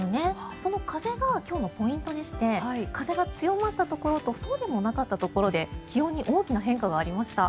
その風が今日のポイントでして風が強まったところとそうでもなかったところで気温に大きな変化がありました。